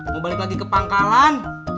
mau balik lagi ke pangkalan